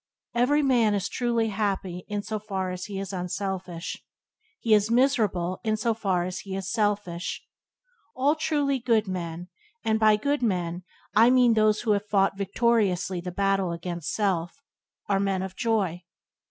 Every man is truly happy in so far as he is unselfish; he is miserable in so far as he is selfish. All truly good men, and by good men I mean those who have fought victoriously the battle against self, are men of joy.